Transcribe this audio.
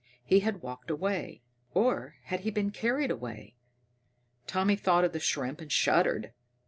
He had walked away or he had been carried away! Tommy thought of the shrimp, and shuddered.